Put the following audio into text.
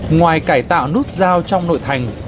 ngoài cải tạo nút giao trong nội thành